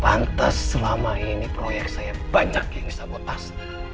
pantes selama ini proyek saya banyak yang disabotas